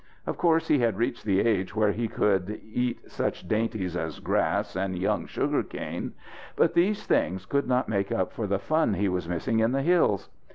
Of course he had reached the age where he could eat such dainties as grass and young sugar cane, but these things could not make up for the fun he was missing in the hills.